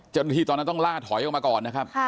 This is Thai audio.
ตอนนั้นต้องล่าถอยออกมาก่อนนะครับ